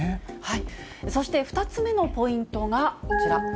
そして２つ目のポイントがこちら。